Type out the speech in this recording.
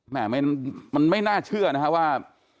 แม่มันไม่น่าเชื่อนะฮะว่า